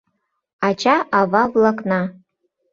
Ача-ава-влакна